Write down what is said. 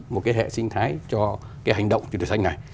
một cái hệ sinh thái cho cái hành động chuyển đổi xanh này